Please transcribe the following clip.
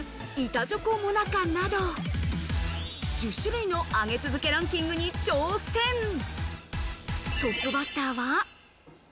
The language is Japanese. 板チョコモナカなど、１０種類の上げ続けランキングに挑戦。来た！